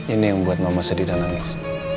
ini yang membuat mama sedih dan nangis